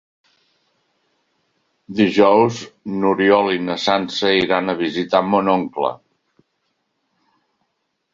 Dijous n'Oriol i na Sança iran a visitar mon oncle.